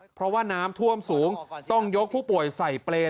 เพราะว่าน้ำท่วมสูงต้องยกผู้ป่วยใส่เปรย์